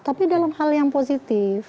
tapi dalam hal yang positif